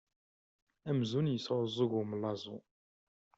Amzun yesεuẓẓug umellaẓu!